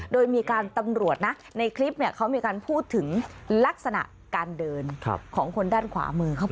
โดยมีการตำรวจในคลิปเขามีการพูดถึงลักษณะการเดินของคนด้านขวามือ